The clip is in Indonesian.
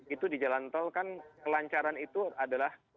itu di jalan tol kan kelancaran itu adalah